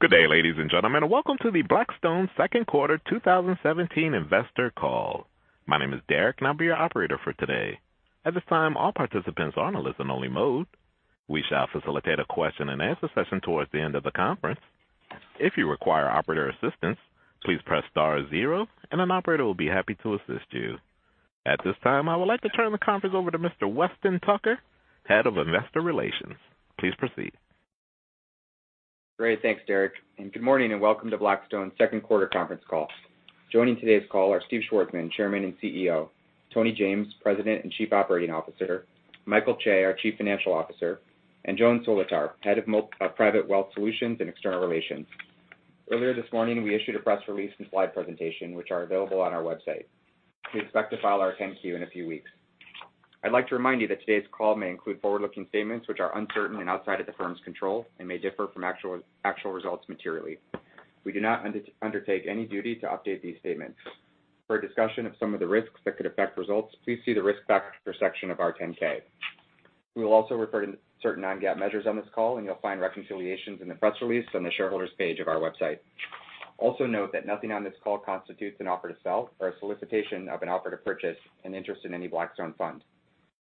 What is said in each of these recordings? Good day, ladies and gentlemen, and welcome to the Blackstone second quarter 2017 investor call. My name is Derek, and I will be your operator for today. At this time, all participants are on a listen-only mode. We shall facilitate a question and answer session towards the end of the conference. If you require operator assistance, please press star zero and an operator will be happy to assist you. At this time, I would like to turn the conference over to Mr. Weston Tucker, Head of Investor Relations. Please proceed. Great. Thanks, Derek, and good morning, and welcome to Blackstone's second quarter conference call. Joining today's call are Steve Schwarzman, Chairman and CEO; Tony James, President and Chief Operating Officer; Michael Chae, our Chief Financial Officer; and Joan Solotar, Head of Private Wealth Solutions and External Relations. Earlier this morning, we issued a press release and slide presentation, which are available on our website. We expect to file our 10-Q in a few weeks. I'd like to remind you that today's call may include forward-looking statements, which are uncertain and outside of the firm's control and may differ from actual results materially. We do not undertake any duty to update these statements. For a discussion of some of the risks that could affect results, please see the risk factor section of our 10-K. We will also refer to certain non-GAAP measures on this call, and you'll find reconciliations in the press release on the shareholders page of our website. Also note that nothing on this call constitutes an offer to sell or a solicitation of an offer to purchase an interest in any Blackstone fund.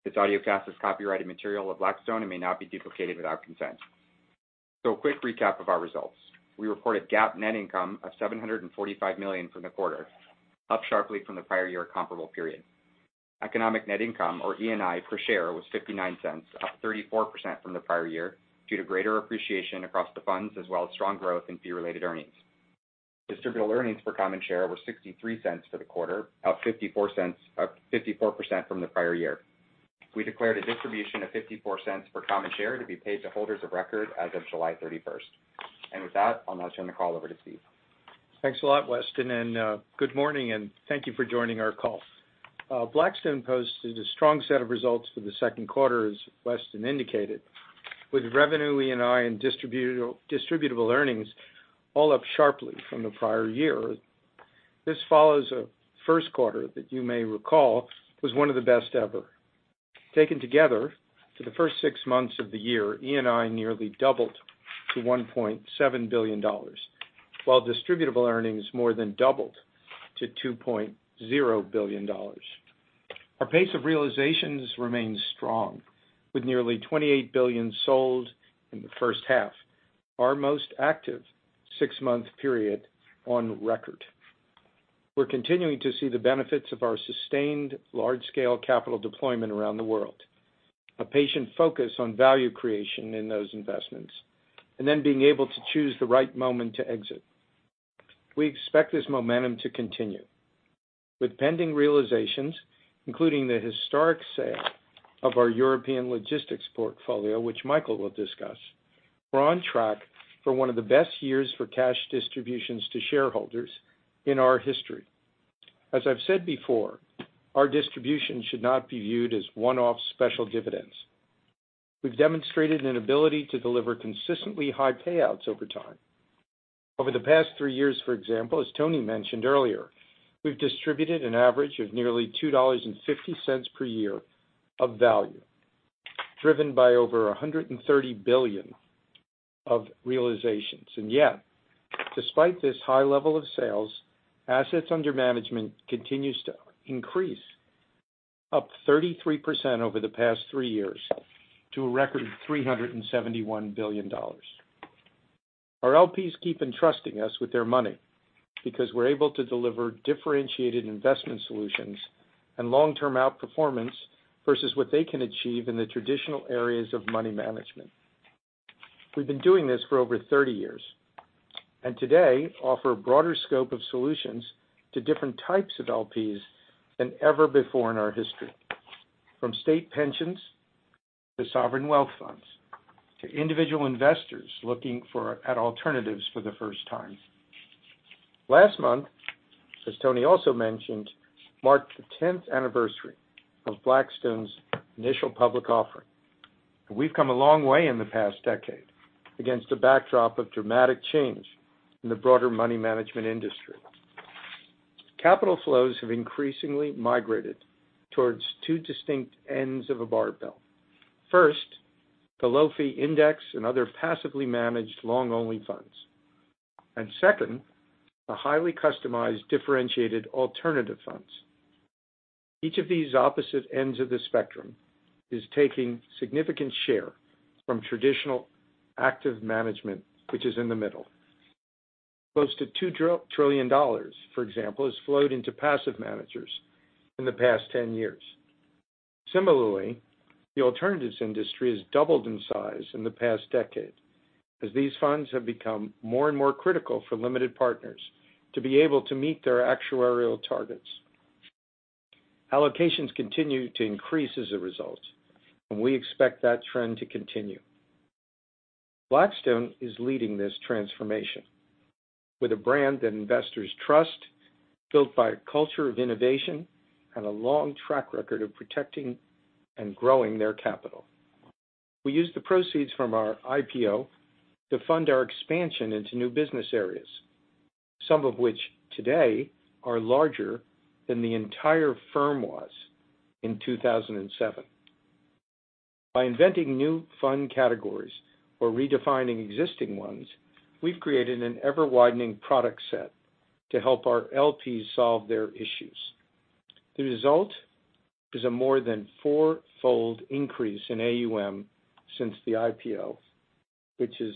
This audiocast is copyrighted material of Blackstone and may not be duplicated without consent. A quick recap of our results. We reported GAAP net income of $745 million from the quarter, up sharply from the prior year comparable period. Economic net income, or ENI, per share was $0.59, up 34% from the prior year due to greater appreciation across the funds, as well as strong growth in fee-related earnings. Distributable earnings per common share were $0.63 for the quarter, up 54% from the prior year. We declared a distribution of $0.54 per common share to be paid to holders of record as of July 31st. With that, I'll now turn the call over to Steve. Thanks a lot, Weston. Good morning, and thank you for joining our call. Blackstone posted a strong set of results for the second quarter, as Weston indicated, with revenue, ENI, and distributable earnings all up sharply from the prior year. This follows a first quarter that you may recall was one of the best ever. Taken together, for the first six months of the year, ENI nearly doubled to $1.7 billion, while distributable earnings more than doubled to $2.0 billion. Our pace of realizations remains strong, with nearly $28 billion sold in the first half, our most active six-month period on record. We're continuing to see the benefits of our sustained large-scale capital deployment around the world, a patient focus on value creation in those investments, being able to choose the right moment to exit. We expect this momentum to continue. With pending realizations, including the historic sale of our European logistics portfolio, which Michael will discuss, we're on track for one of the best years for cash distributions to shareholders in our history. As I've said before, our distribution should not be viewed as one-off special dividends. We've demonstrated an ability to deliver consistently high payouts over time. Over the past three years, for example, as Tony mentioned earlier, we've distributed an average of nearly $2.50 per year of value, driven by over $130 billion of realizations. Despite this high level of sales, assets under management continues to increase, up 33% over the past three years to a record $371 billion. Our LPs keep entrusting us with their money because we're able to deliver differentiated investment solutions and long-term outperformance versus what they can achieve in the traditional areas of money management. We've been doing this for over 30 years, today offer a broader scope of solutions to different types of LPs than ever before in our history, from state pensions to sovereign wealth funds to individual investors looking at alternatives for the first time. Last month, as Tony also mentioned, marked the 10th anniversary of Blackstone's initial public offering. We've come a long way in the past decade against a backdrop of dramatic change in the broader money management industry. Capital flows have increasingly migrated towards two distinct ends of a barbell. First, the low-fee index and other passively managed long-only funds. Second, the highly customized differentiated alternative funds. Each of these opposite ends of the spectrum is taking significant share from traditional active management, which is in the middle. Close to $2 trillion, for example, has flowed into passive managers in the past 10 years. Similarly, the alternatives industry has doubled in size in the past decade as these funds have become more and more critical for limited partners to be able to meet their actuarial targets. Allocations continue to increase as a result, we expect that trend to continue. Blackstone is leading this transformation with a brand that investors trust, built by a culture of innovation, a long track record of protecting and growing their capital. We use the proceeds from our IPO to fund our expansion into new business areas, some of which today are larger than the entire firm was in 2007. By inventing new fund categories or redefining existing ones, we've created an ever-widening product set to help our LPs solve their issues. The result is a more than four-fold increase in AUM since the IPO, which is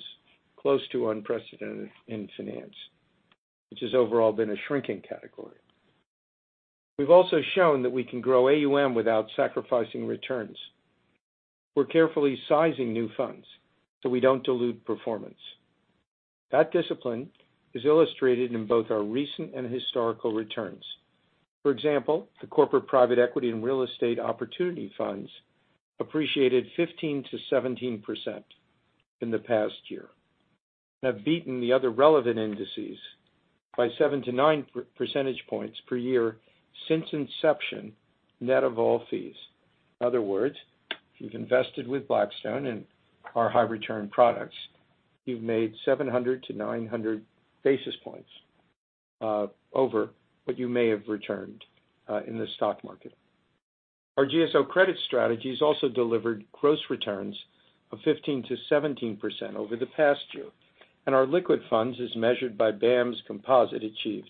close to unprecedented in finance, which has overall been a shrinking category. We've also shown that we can grow AUM without sacrificing returns. We're carefully sizing new funds so we don't dilute performance. That discipline is illustrated in both our recent and historical returns. For example, the Core Private Equity and real estate opportunity funds appreciated 15%-17% in the past year, have beaten the other relevant indices by seven to nine percentage points per year since inception, net of all fees. In other words, if you've invested with Blackstone in our high return products, you've made 700 to 900 basis points, over what you may have returned in the stock market. Our GSO credit strategies also delivered gross returns of 15%-17% over the past year. Our liquid funds, as measured by BAAM's composite, achieved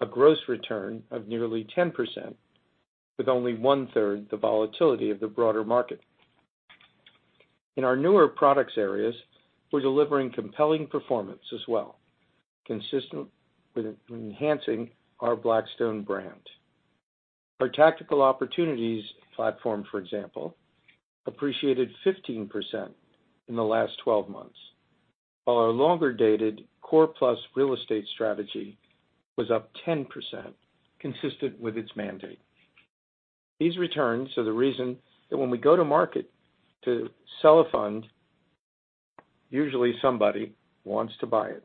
a gross return of nearly 10% with only one-third the volatility of the broader market. In our newer products areas, we're delivering compelling performance as well, consistent with enhancing our Blackstone brand. Our Tactical Opportunities platform, for example, appreciated 15% in the last 12 months. While our longer-dated Core Plus real estate strategy was up 10%, consistent with its mandate. These returns are the reason that when we go to market to sell a fund usually somebody wants to buy it.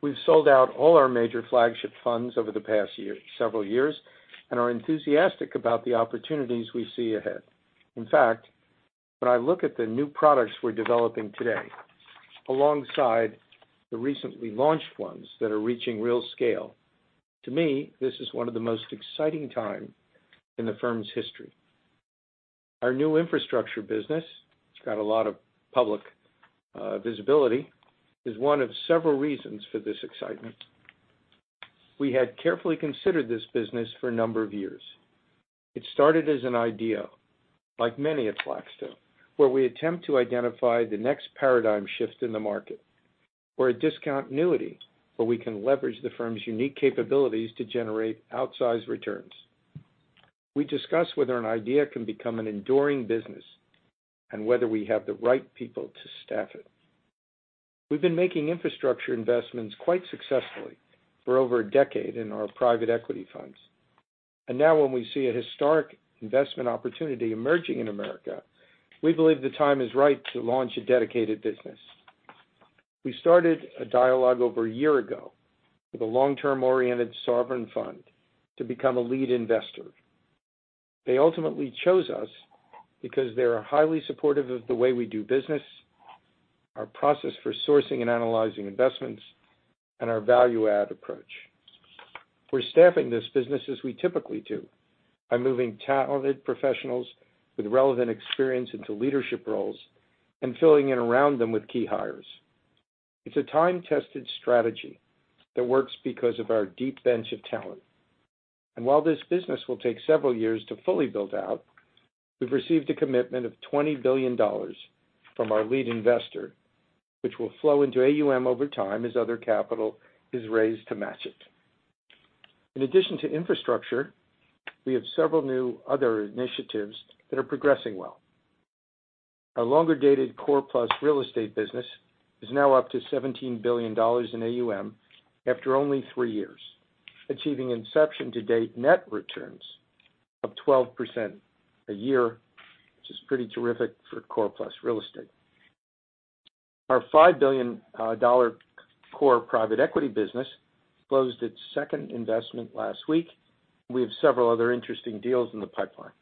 We've sold out all our major flagship funds over the past several years and are enthusiastic about the opportunities we see ahead. In fact, when I look at the new products we're developing today, alongside the recently launched ones that are reaching real scale, to me, this is one of the most exciting time in the firm's history. Our new infrastructure business, it's got a lot of public visibility, is one of several reasons for this excitement. We had carefully considered this business for a number of years. It started as an idea, like many at Blackstone, where we attempt to identify the next paradigm shift in the market, or a discontinuity where we can leverage the firm's unique capabilities to generate outsized returns. We discuss whether an idea can become an enduring business and whether we have the right people to staff it. We've been making infrastructure investments quite successfully for over a decade in our private equity funds. Now when we see a historic investment opportunity emerging in America, we believe the time is right to launch a dedicated business. We started a dialogue over a year ago with a long-term oriented sovereign fund to become a lead investor. They ultimately chose us because they are highly supportive of the way we do business, our process for sourcing and analyzing investments, and our value-add approach. We're staffing this business as we typically do, by moving talented professionals with relevant experience into leadership roles and filling in around them with key hires. It's a time-tested strategy that works because of our deep bench of talent. While this business will take several years to fully build out, we've received a commitment of $20 billion from our lead investor, which will flow into AUM over time as other capital is raised to match it. In addition to infrastructure, we have several new other initiatives that are progressing well. Our longer-dated Core Plus real estate business is now up to $17 billion in AUM after only three years, achieving inception to date net returns of 12% a year, which is pretty terrific for Core Plus real estate. Our $5 billion Core Private Equity business closed its second investment last week. We have several other interesting deals in the pipeline.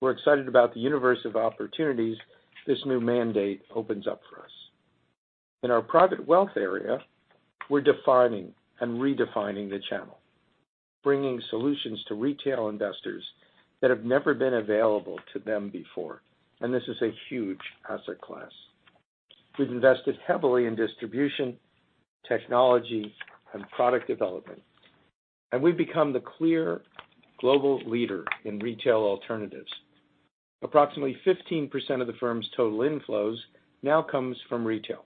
We're excited about the universe of opportunities this new mandate opens up for us. In our private wealth area, we're defining and redefining the channel, bringing solutions to retail investors that have never been available to them before. This is a huge asset class. We've invested heavily in distribution, technology, and product development, and we've become the clear global leader in retail alternatives. Approximately 15% of the firm's total inflows now comes from retail.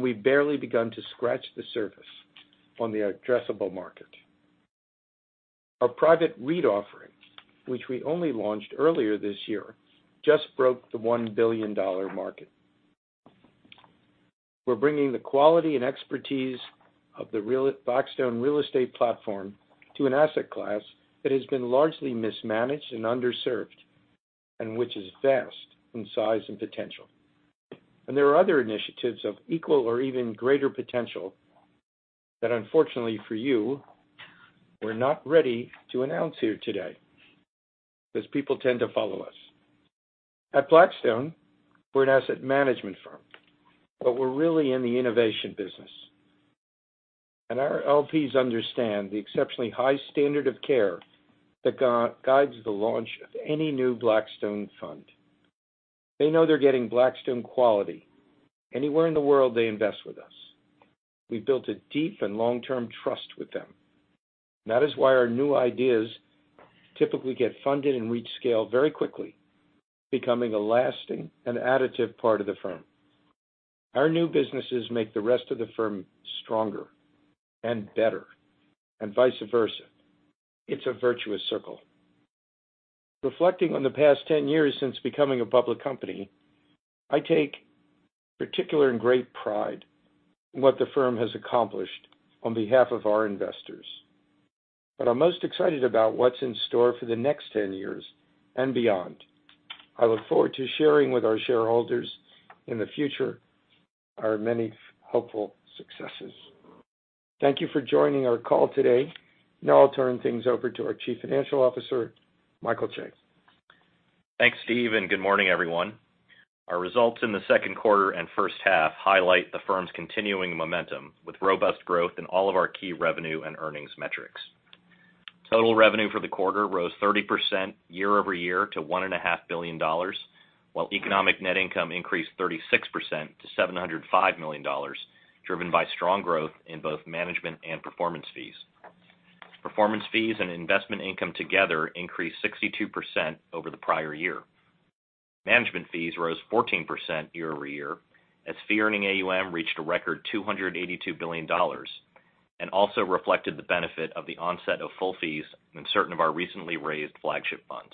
We've barely begun to scratch the surface on the addressable market. Our private REIT offering, which we only launched earlier this year, just broke the $1 billion market. We're bringing the quality and expertise of the Blackstone real estate platform to an asset class that has been largely mismanaged and underserved, and which is vast in size and potential. There are other initiatives of equal or even greater potential that unfortunately for you, we're not ready to announce here today because people tend to follow us. At Blackstone, we're an asset management firm, but we're really in the innovation business. Our LPs understand the exceptionally high standard of care that guides the launch of any new Blackstone fund. They know they're getting Blackstone quality anywhere in the world they invest with us. We've built a deep and long-term trust with them. That is why our new ideas typically get funded and reach scale very quickly, becoming a lasting and additive part of the firm. Our new businesses make the rest of the firm stronger and better, and vice versa. It's a virtuous circle. Reflecting on the past 10 years since becoming a public company, I take particular and great pride in what the firm has accomplished on behalf of our investors. I'm most excited about what's in store for the next 10 years and beyond. I look forward to sharing with our shareholders in the future our many hopeful successes. Thank you for joining our call today. Now I'll turn things over to our Chief Financial Officer, Michael Chae. Thanks, Steve, and good morning, everyone. Our results in the second quarter and first half highlight the firm's continuing momentum, with robust growth in all of our key revenue and earnings metrics. Total revenue for the quarter rose 30% year-over-year to $1.5 billion, while economic net income increased 36% to $705 million, driven by strong growth in both management and performance fees. Performance fees and investment income together increased 62% over the prior year. Management fees rose 14% year-over-year as fee-earning AUM reached a record $282 billion, and also reflected the benefit of the onset of full fees in certain of our recently raised flagship funds.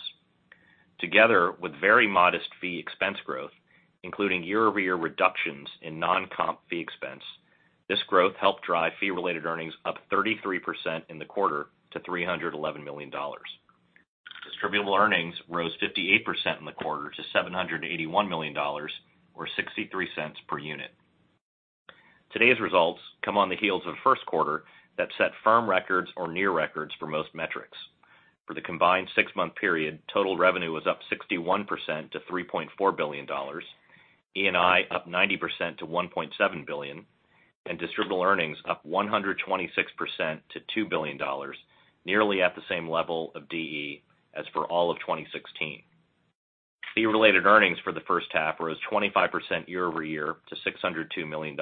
Together with very modest fee expense growth, including year-over-year reductions in non-comp fee expense, this growth helped drive fee-related earnings up 33% in the quarter to $311 million. Distributable earnings rose 58% in the quarter to $781 million, or $0.63 per unit. Today's results come on the heels of a first quarter that set firm records or near records for most metrics. For the combined six-month period, total revenue was up 61% to $3.4 billion, ENI up 90% to $1.7 billion, and distributable earnings up 126% to $2 billion, nearly at the same level of DE as for all of 2016. Fee-related earnings for the first half rose 25% year-over-year to $602 million.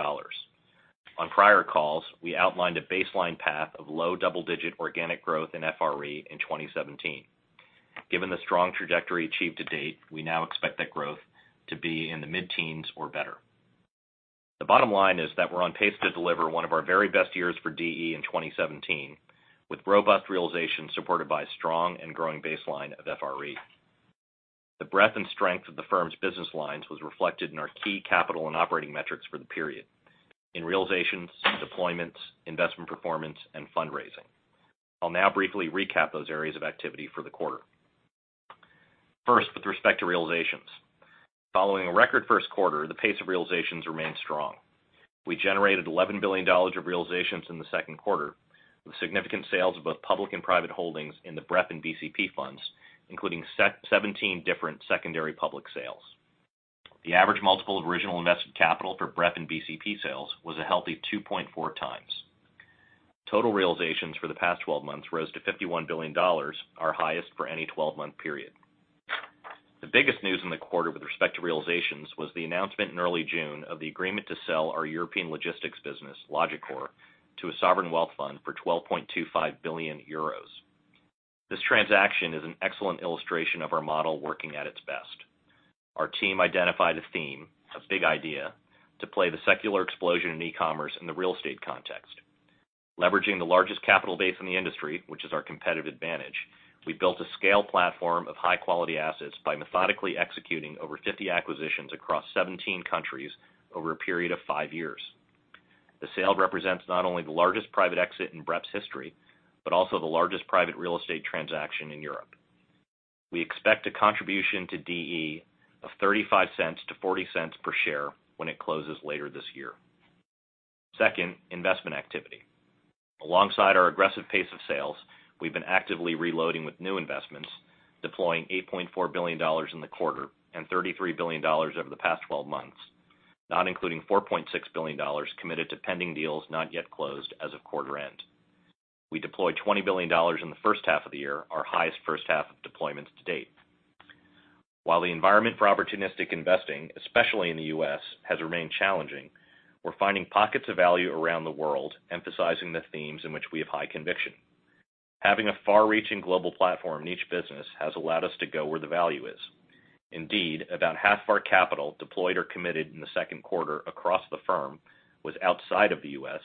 On prior calls, we outlined a baseline path of low double-digit organic growth in FRE in 2017. Given the strong trajectory achieved to date, we now expect that growth to be in the mid-teens or better. The bottom line is that we're on pace to deliver one of our very best years for DE in 2017, with robust realization supported by a strong and growing baseline of FRE. The breadth and strength of the firm's business lines was reflected in our key capital and operating metrics for the period in realizations, deployments, investment performance, and fundraising. I'll now briefly recap those areas of activity for the quarter. First, with respect to realizations. Following a record first quarter, the pace of realizations remained strong. We generated $11 billion of realizations in the second quarter, with significant sales of both public and private holdings in the BREP and BCP funds, including 17 different secondary public sales. The average multiple of original invested capital for BREP and BCP sales was a healthy 2.4 times. Total realizations for the past 12 months rose to $51 billion, our highest for any 12-month period. The biggest news in the quarter with respect to realizations was the announcement in early June of the agreement to sell our European logistics business, Logicor, to a sovereign wealth fund for €12.25 billion. This transaction is an excellent illustration of our model working at its best. Our team identified a theme, a big idea, to play the secular explosion in e-commerce in the real estate context. Leveraging the largest capital base in the industry, which is our competitive advantage, we built a scale platform of high-quality assets by methodically executing over 50 acquisitions across 17 countries over a period of five years. The sale represents not only the largest private exit in BREP's history, but also the largest private real estate transaction in Europe. We expect a contribution to DE of $0.35 to $0.40 per share when it closes later this year. Second, investment activity. Alongside our aggressive pace of sales, we've been actively reloading with new investments, deploying $8.4 billion in the quarter and $33 billion over the past 12 months, not including $4.6 billion committed to pending deals not yet closed as of quarter end. We deployed $20 billion in the first half of the year, our highest first half of deployments to date. While the environment for opportunistic investing, especially in the U.S., has remained challenging, we're finding pockets of value around the world, emphasizing the themes in which we have high conviction. Having a far-reaching global platform in each business has allowed us to go where the value is. Indeed, about half of our capital deployed or committed in the second quarter across the firm was outside of the U.S.,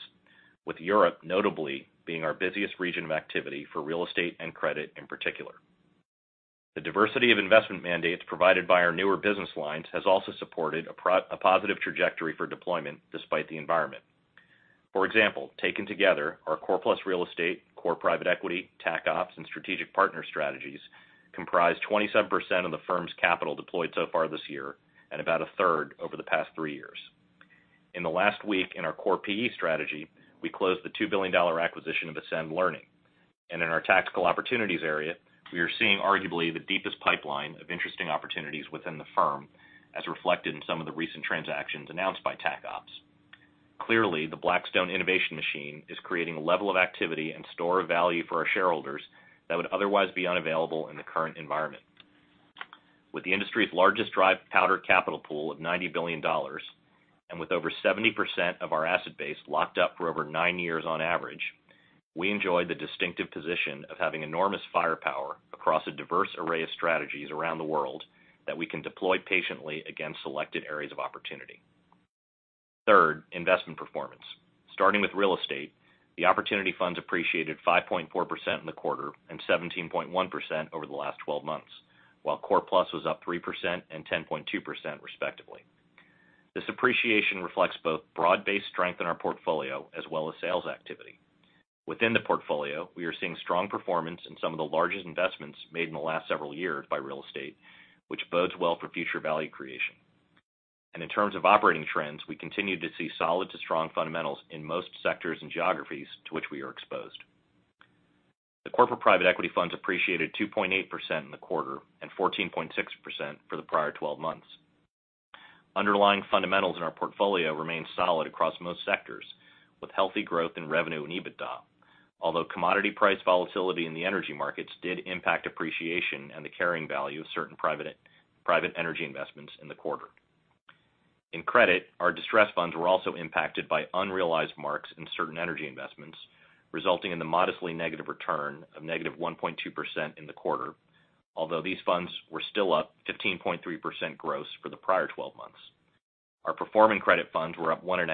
with Europe notably being our busiest region of activity for real estate and credit in particular. The diversity of investment mandates provided by our newer business lines has also supported a positive trajectory for deployment despite the environment. For example, taken together, our Core Plus real estate, Core Private Equity, Tactical Opportunities, and strategic partner strategies comprise 27% of the firm's capital deployed so far this year and about a third over the past three years. In the last week in our Core Private Equity strategy, we closed the $2 billion acquisition of Ascend Learning. In our Tactical Opportunities area, we are seeing arguably the deepest pipeline of interesting opportunities within the firm, as reflected in some of the recent transactions announced by Tac Ops. Clearly, the Blackstone innovation machine is creating a level of activity and store of value for our shareholders that would otherwise be unavailable in the current environment. With the industry's largest dry powder capital pool of $90 billion, and with over 70% of our asset base locked up for over nine years on average, we enjoy the distinctive position of having enormous firepower across a diverse array of strategies around the world that we can deploy patiently against selected areas of opportunity. Third, investment performance. Starting with real estate, the opportunity funds appreciated 5.4% in the quarter and 17.1% over the last 12 months, while Core Plus was up 3% and 10.2%, respectively. This appreciation reflects both broad-based strength in our portfolio as well as sales activity. Within the portfolio, we are seeing strong performance in some of the largest investments made in the last several years by real estate, which bodes well for future value creation. In terms of operating trends, we continue to see solid to strong fundamentals in most sectors and geographies to which we are exposed. The corporate private equity funds appreciated 2.8% in the quarter and 14.6% for the prior 12 months. Underlying fundamentals in our portfolio remain solid across most sectors, with healthy growth in revenue and EBITDA, although commodity price volatility in the energy markets did impact appreciation and the carrying value of certain private energy investments in the quarter. In credit, our distressed funds were also impacted by unrealized marks in certain energy investments, resulting in the modestly negative return of -1.2% in the quarter, although these funds were still up 15.3% gross for the prior 12 months. Our performing credit funds were up 1.5%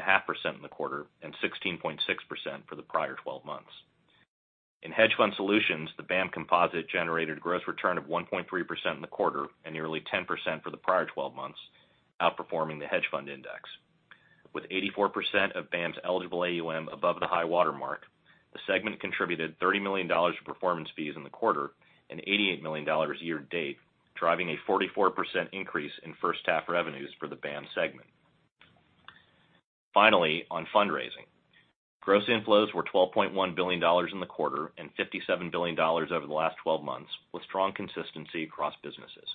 in the quarter and 16.6% for the prior 12 months. In hedge fund solutions, the BAAM composite generated gross return of 1.3% in the quarter and nearly 10% for the prior 12 months, outperforming the hedge fund index. With 84% of BAAM's eligible AUM above the high water mark, the segment contributed $30 million of performance fees in the quarter and $88 million year to date, driving a 44% increase in first half revenues for the BAAM segment. Finally, on fundraising. Gross inflows were $12.1 billion in the quarter and $57 billion over the last 12 months, with strong consistency across businesses.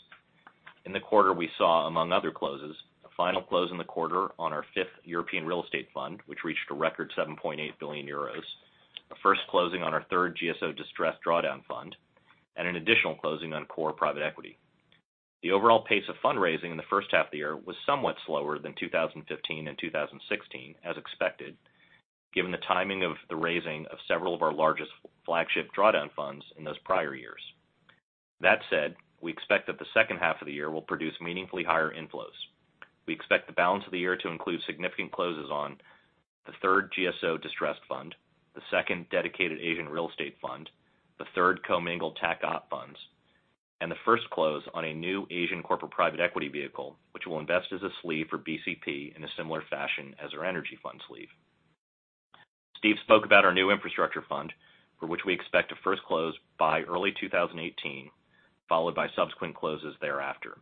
In the quarter, we saw, among other closes, a final close in the quarter on our fifth European Real Estate Fund, which reached a record 7.8 billion euros, a first closing on our third GSO Distressed Drawdown Fund, and an additional closing on Core Private Equity. The overall pace of fundraising in the first half of the year was somewhat slower than 2015 and 2016, as expected, given the timing of the raising of several of our largest flagship drawdown funds in those prior years. That said, we expect that the second half of the year will produce meaningfully higher inflows. We expect the balance of the year to include significant closes on the third GSO Distressed Fund, the second dedicated Asian Real Estate Fund, the third commingled Tac Op funds, and the first close on a new Asian corporate private equity vehicle, which will invest as a sleeve for BCP in a similar fashion as our energy fund sleeve. Steve spoke about our new infrastructure fund, for which we expect a first close by early 2018, followed by subsequent closes thereafter.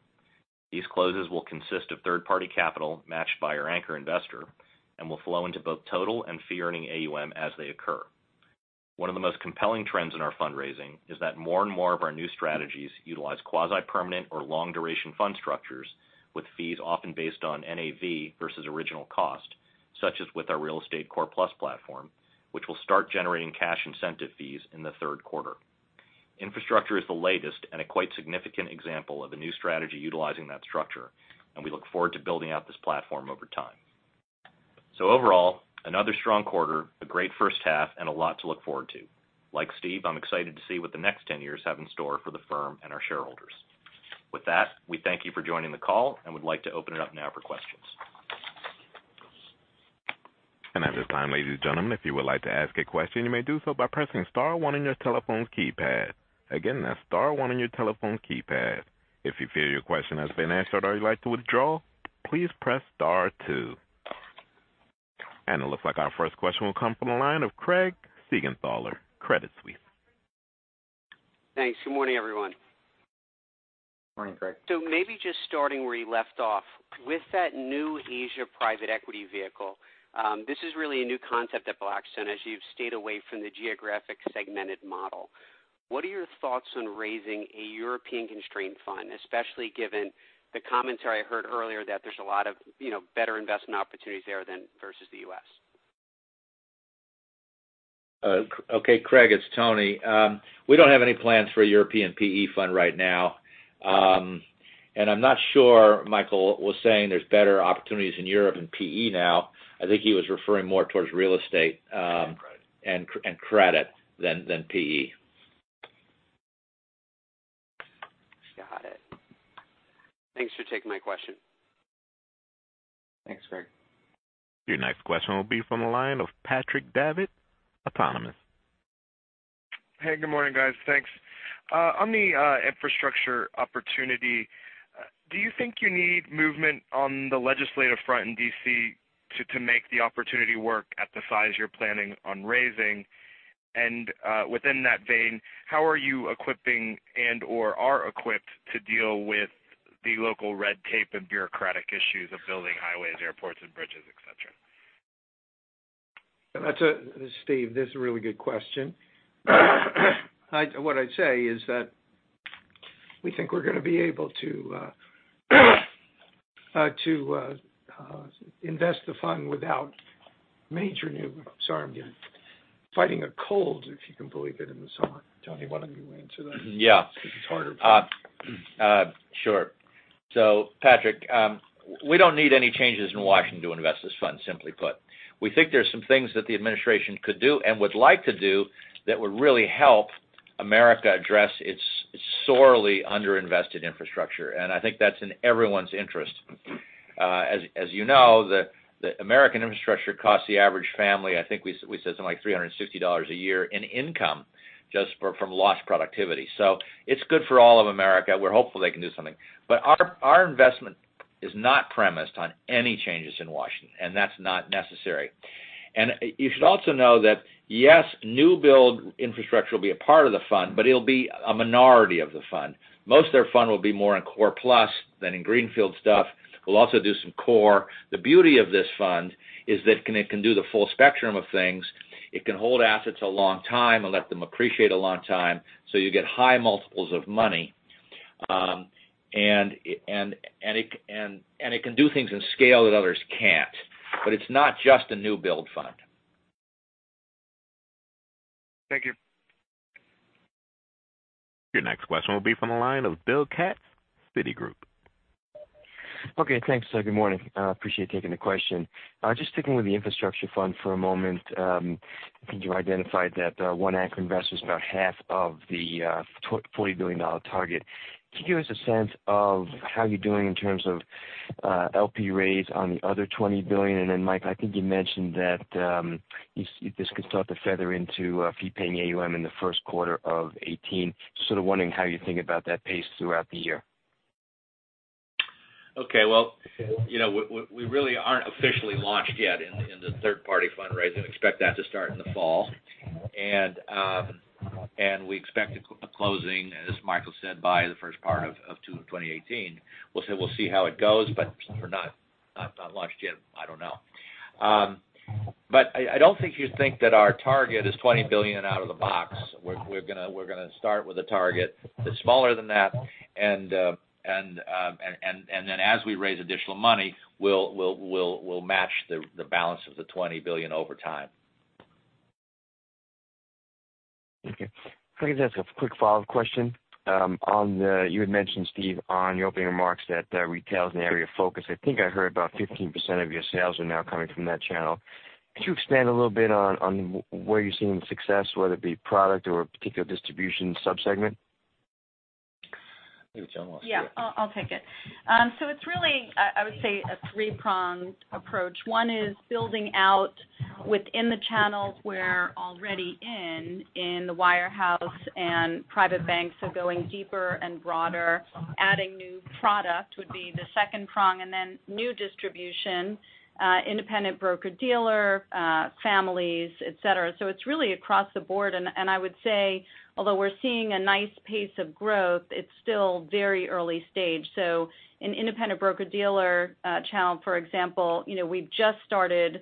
These closes will consist of third-party capital matched by our anchor investor and will flow into both total and fee-earning AUM as they occur. One of the most compelling trends in our fundraising is that more and more of our new strategies utilize quasi-permanent or long-duration fund structures with fees often based on NAV versus original cost, such as with our Real Estate Core Plus platform, which will start generating cash incentive fees in the third quarter. Infrastructure is the latest and a quite significant example of a new strategy utilizing that structure. Overall, another strong quarter, a great first half, and a lot to look forward to. Like Steve, I'm excited to see what the next 10 years have in store for the firm and our shareholders. With that, we thank you for joining the call and would like to open it up now for questions. At this time, ladies and gentlemen, if you would like to ask a question, you may do so by pressing star one on your telephone keypad. Again, that's star one on your telephone keypad. If you feel your question has been answered or you'd like to withdraw, please press star two. It looks like our first question will come from the line of Craig Siegenthaler, Credit Suisse. Thanks. Good morning, everyone. Morning, Craig. Maybe just starting where you left off. With that new Asia private equity vehicle, this is really a new concept at Blackstone, as you've stayed away from the geographic segmented model. What are your thoughts on raising a European constrained fund, especially given the commentary I heard earlier that there's a lot of better investment opportunities there versus the U.S.? Okay, Craig, it's Tony. We don't have any plans for a European PE fund right now. I'm not sure Michael was saying there's better opportunities in Europe in PE now. I think he was referring more towards real estate- credit credit than PE. Got it. Thanks for taking my question. Thanks, Craig. Your next question will be from the line of Patrick Davitt, Autonomous. Hey, good morning, guys. Thanks. On the infrastructure opportunity, do you think you need movement on the legislative front in D.C. to make the opportunity work at the size you're planning on raising? Within that vein, how are you equipping and/or are equipped to deal with the local red tape and bureaucratic issues of building highways, airports, and bridges, et cetera? Steve, this is a really good question. What I'd say is that we think we're going to be able to invest the fund. Sorry, I'm fighting a cold, if you can believe it, in the summer. Tony, why don't you answer that? Yeah. Because it's harder for you. Sure. Patrick, we don't need any changes in Washington to invest this fund, simply put. We think there's some things that the administration could do and would like to do that would really help America address its sorely under-invested infrastructure. I think that's in everyone's interest. As you know, the American infrastructure costs the average family, I think we said something like $360 a year in income just from lost productivity. It's good for all of America. We're hopeful they can do something. Our investment is not premised on any changes in Washington, and that's not necessary. You should also know that, yes, new build infrastructure will be a part of the fund, but it'll be a minority of the fund. Most their fund will be more in core plus than in greenfield stuff. We'll also do some core. The beauty of this fund is that it can do the full spectrum of things. It can hold assets a long time and let them appreciate a long time, so you get high multiples of money. It can do things in scale that others can't. It's not just a new build fund. Thank you. Your next question will be from the line of Bill Katz, Citigroup. Okay, thanks. Good morning. I appreciate taking the question. Just sticking with the infrastructure fund for a moment. I think you identified that one anchor investor's about half of the $40 billion target. Can you give us a sense of how you're doing in terms of LP raise on the other $20 billion? Mike, I think you mentioned that this could start to feather into fee-earning AUM in the first quarter of 2018. Wondering how you think about that pace throughout the year. Okay. Well, we really aren't officially launched yet in the third-party fundraising. Expect that to start in the fall. We expect a closing, as Michael said, by the first part of 2018. We'll see how it goes, but we're not launched yet. I don't know. I don't think you'd think that our target is $20 billion out of the box. We're going to start with a target that's smaller than that, and then as we raise additional money, we'll match the balance of the $20 billion over time. Okay. If I could just ask a quick follow-up question. You had mentioned, Steve, on your opening remarks that retail is an area of focus. I think I heard about 15% of your sales are now coming from that channel. Could you expand a little bit on where you're seeing success, whether it be product or a particular distribution sub-segment? I think Joan wants to. Yeah, I'll take it. It's really, I would say, a three-pronged approach. One is building out within the channels we're already in the wirehouse and private banks. Going deeper and broader. Adding new product would be the second prong, new distribution, independent broker-dealer, families, et cetera. It's really across the board, and I would say, although we're seeing a nice pace of growth, it's still very early stage. An independent broker-dealer channel, for example, we've just started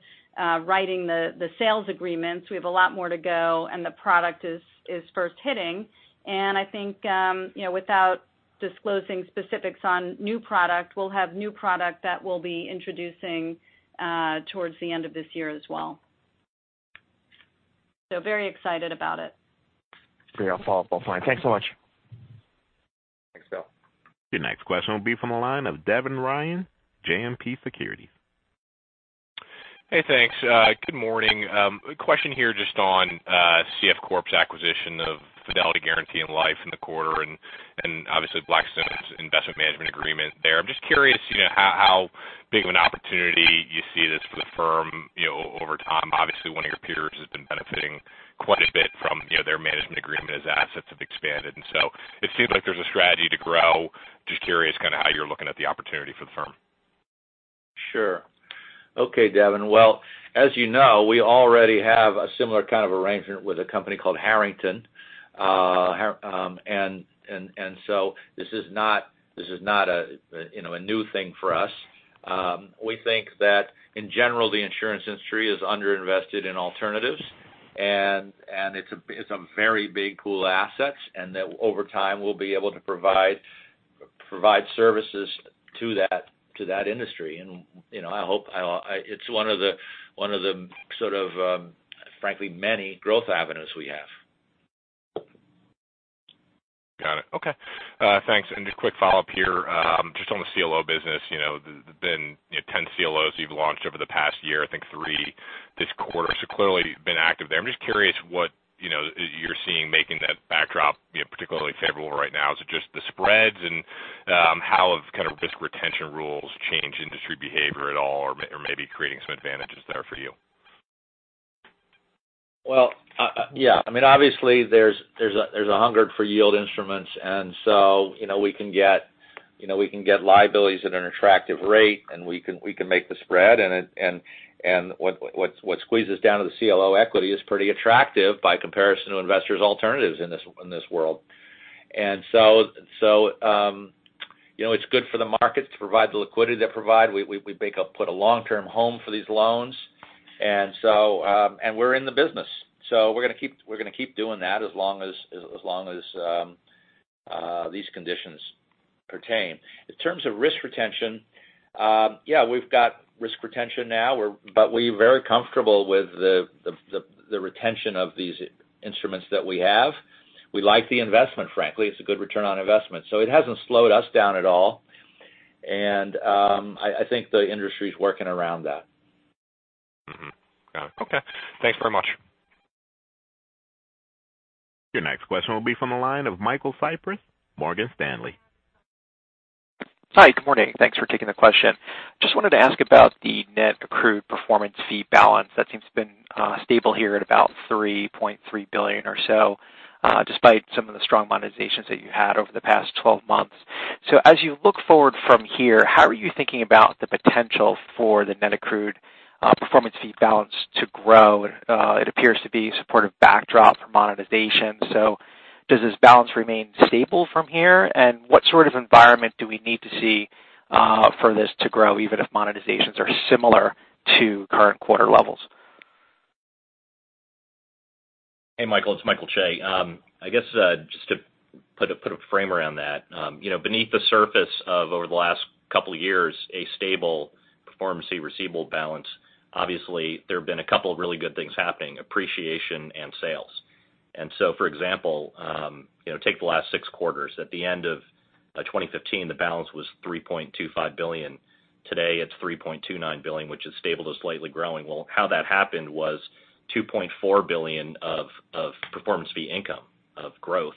writing the sales agreements. We have a lot more to go, the product is first hitting. I think, without disclosing specifics on new product, we'll have new product that we'll be introducing towards the end of this year as well. Very excited about it. Great. I'll follow up. Fine. Thanks so much. Thanks, Bill. Your next question will be from the line of Devin Ryan, JMP Securities. Hey, thanks. Good morning. A question here just on CF Corp.'s acquisition of Fidelity & Guaranty Life in the quarter, and obviously Blackstone's investment management agreement there. I'm just curious how big of an opportunity you see this for the firm over time. Obviously, one of your peers has been benefiting quite a bit from their management agreement as assets have expanded. It seems like there's a strategy to grow. Just curious how you're looking at the opportunity for the firm. Sure. Okay, Devin. Well, as you know, we already have a similar kind of arrangement with a company called Harrington. This is not a new thing for us. We think that in general, the insurance industry is under-invested in alternatives. It's a very big pool of assets, and that over time, we'll be able to provide services to that industry. I hope, it's one of the sort of, frankly, many growth avenues we have. Got it. Okay. Thanks. A quick follow-up here, just on the CLO business. There's been 10 CLOs you've launched over the past year, I think three this quarter. Clearly been active there. I'm just curious what you're seeing making that backdrop particularly favorable right now. Is it just the spreads? How have risk retention rules changed industry behavior at all or maybe creating some advantages there for you? Well, yeah. Obviously, there's a hunger for yield instruments, we can get liabilities at an attractive rate, and we can make the spread. What squeezes down to the CLO equity is pretty attractive by comparison to investors' alternatives in this world. It's good for the markets to provide the liquidity they provide. We put a long-term home for these loans. We're in the business. We're going to keep doing that as long as these conditions pertain. In terms of risk retention, yeah, we've got risk retention now. We're very comfortable with the retention of these instruments that we have. We like the investment, frankly. It's a good return on investment. It hasn't slowed us down at all. I think the industry's working around that. Mm-hmm. Got it. Okay. Thanks very much. Your next question will be from the line of Michael Cyprys, Morgan Stanley. Hi. Good morning. Thanks for taking the question. Just wanted to ask about the net accrued performance fee balance. That seems to have been stable here at about $3.3 billion or so, despite some of the strong monetizations that you had over the past 12 months. As you look forward from here, how are you thinking about the potential for the net accrued performance fee balance to grow? It appears to be a supportive backdrop for monetization. Does this balance remain stable from here? What sort of environment do we need to see for this to grow, even if monetizations are similar to current quarter levels? Hey, Michael. It's Michael Chae. I guess, just to put a frame around that. Beneath the surface of, over the last couple of years, a stable performance fee receivable balance. Obviously, there have been a couple of really good things happening: appreciation and sales. For example, take the last six quarters. At the end of 2015, the balance was $3.25 billion. Today, it's $3.29 billion, which is stable to slightly growing. Well, how that happened was $2.4 billion of performance fee income of growth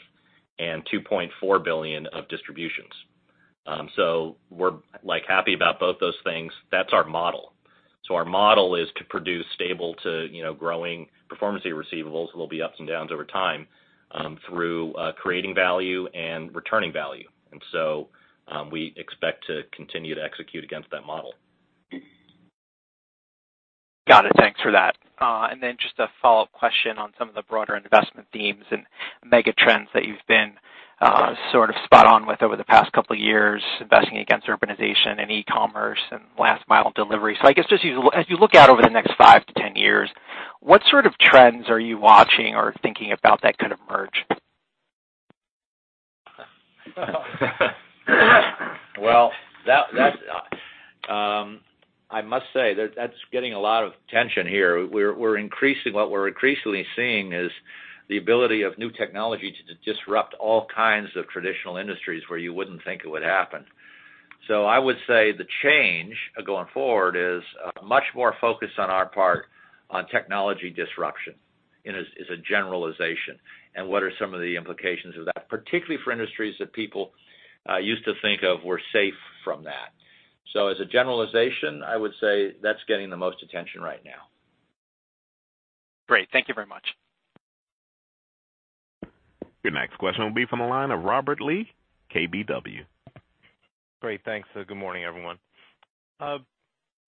and $2.4 billion of distributions. We're happy about both those things. That's our model. Our model is to produce stable to growing performance fee receivables. There will be ups and downs over time, through creating value and returning value. We expect to continue to execute against that model. Got it. Thanks for that. Just a follow-up question on some of the broader investment themes and mega trends that you've been sort of spot on with over the past couple of years, investing against urbanization and e-commerce and last mile delivery. I guess, as you look out over the next 5 to 10 years, what sort of trends are you watching or thinking about that could emerge? Well, I must say that that's getting a lot of attention here. What we're increasingly seeing is the ability of new technology to disrupt all kinds of traditional industries where you wouldn't think it would happen. I would say the change going forward is much more focused on our part on technology disruption as a generalization, and what are some of the implications of that, particularly for industries that people used to think of were safe from that. As a generalization, I would say that's getting the most attention right now. Great. Thank you very much. Your next question will be from the line of Robert Lee, KBW. Great. Thanks. Good morning, everyone.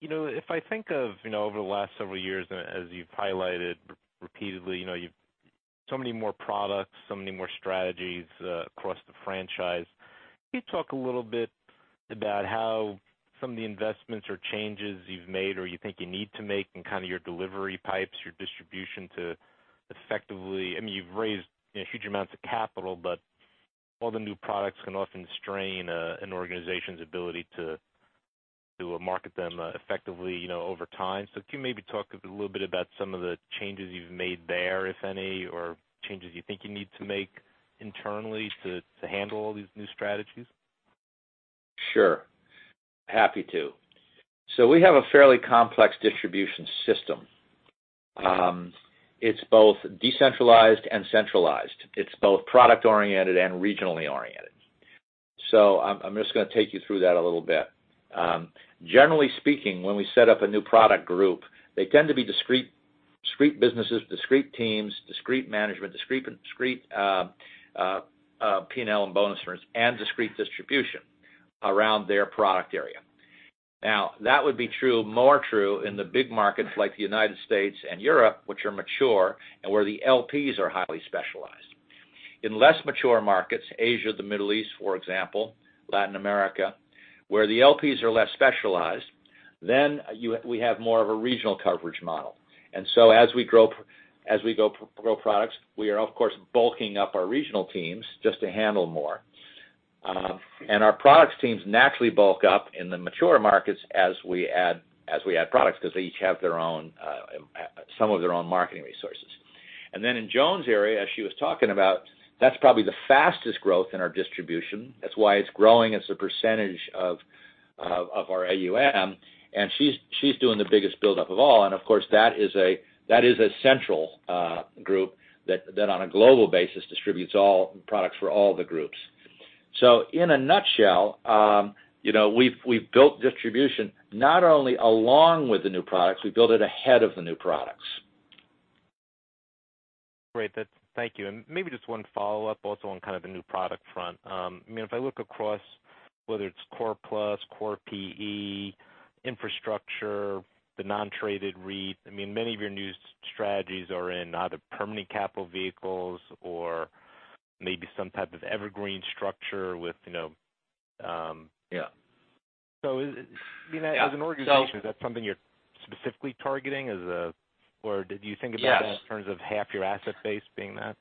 If I think of over the last several years, as you've highlighted repeatedly, so many more products, so many more strategies across the franchise. Can you talk a little bit about how some of the investments or changes you've made or you think you need to make in kind of your delivery pipes, your distribution to effectively I mean, you've raised huge amounts of capital, but all the new products can often strain an organization's ability to market them effectively over time. Can you maybe talk a little bit about some of the changes you've made there, if any, or changes you think you need to make internally to handle all these new strategies? Sure. Happy to. We have a fairly complex distribution system. It's both decentralized and centralized. It's both product-oriented and regionally-oriented. I'm just going to take you through that a little bit. Generally speaking, when we set up a new product group, they tend to be discrete businesses, discrete teams, discrete management, discrete P&L and bonus earners, and discrete distribution around their product area. Now, that would be more true in the big markets like the United States and Europe, which are mature, and where the LPs are highly specialized. In less mature markets, Asia, the Middle East, for example, Latin America, where the LPs are less specialized, then we have more of a regional coverage model. As we grow products, we are, of course, bulking up our regional teams just to handle more. Our products teams naturally bulk up in the mature markets as we add products because they each have some of their own marketing resources. In Joan's area, as she was talking about, that's probably the fastest growth in our distribution. That's why it's growing as a % of our AUM. She's doing the biggest buildup of all. Of course, that is a central group that on a global basis distributes all products for all the groups. In a nutshell, we've built distribution not only along with the new products, we build it ahead of the new products. Great. Thank you. Maybe just one follow-up also on kind of a new product front. If I look across, whether it's Core Plus, Core PE, infrastructure, the non-traded REIT, many of your new strategies are in either permanent capital vehicles or maybe some type of evergreen structure with- Yeah. As an organization. Yeah. Is that something you're specifically targeting, or did you think about that? Yes In terms of half your asset base being that?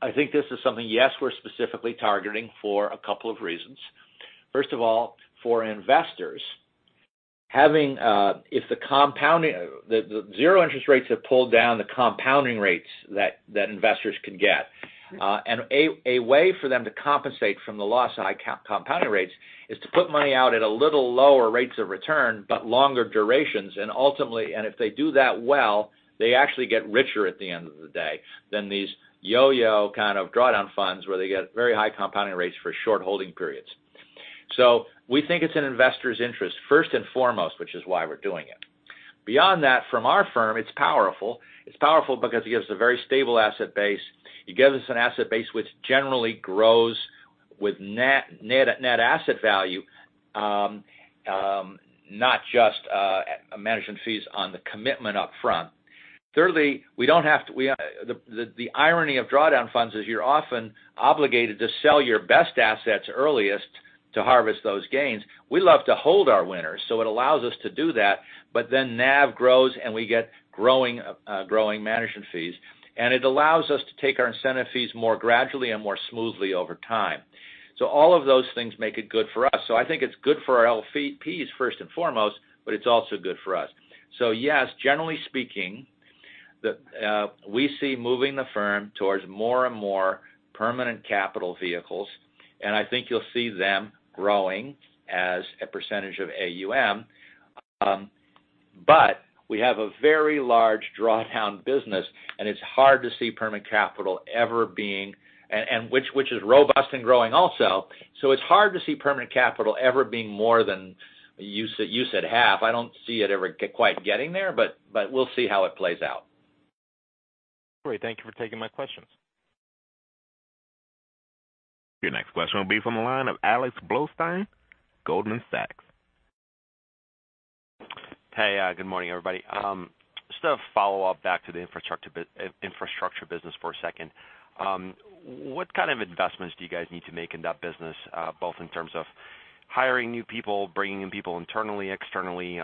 I think this is something, yes, we're specifically targeting for a couple of reasons. First of all, for investors, the zero interest rates have pulled down the compounding rates that investors could get. A way for them to compensate from the loss of high compounding rates is to put money out at a little lower rates of return, but longer durations. If they do that well, they actually get richer at the end of the day than these yo-yo kind of drawdown funds where they get very high compounding rates for short holding periods. We think it's in investors' interest, first and foremost, which is why we're doing it. Beyond that, from our firm, it's powerful. It's powerful because it gives a very stable asset base. It gives us an asset base which generally grows with net asset value, not just management fees on the commitment up front. Thirdly, the irony of drawdown funds is you're often obligated to sell your best assets earliest to harvest those gains. We love to hold our winners, so it allows us to do that, but then NAV grows, and we get growing management fees. It allows us to take our incentive fees more gradually and more smoothly over time. All of those things make it good for us. I think it's good for our LPs, first and foremost, but it's also good for us. Yes, generally speaking, we see moving the firm towards more and more permanent capital vehicles, and I think you'll see them growing as a percentage of AUM. We have a very large drawdown business, and it's hard to see permanent capital ever being And which is robust and growing also. It's hard to see permanent capital ever being more than, you said half. I don't see it ever quite getting there, but we'll see how it plays out. Great. Thank you for taking my questions. Your next question will be from the line of Alex Blostein, Goldman Sachs. Hey, good morning, everybody. Just a follow-up back to the infrastructure business for a second. What kind of investments do you guys need to make in that business, both in terms of hiring new people, bringing in people internally, externally,